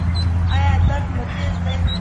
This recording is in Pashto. ایا درد مو تېز دی؟